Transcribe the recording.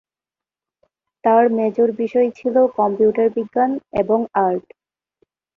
তার মেজর বিষয় ছিলো কম্পিউটার বিজ্ঞান এবং আর্ট।